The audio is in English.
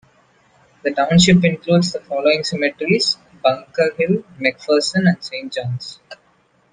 The township includes the following cemeteries: Bunker Hill, McPherson and Saint Johns.